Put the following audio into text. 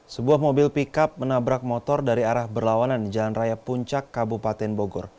sebuah mobil pickup menabrak motor dari arah berlawanan di jalan raya puncak kabupaten bogor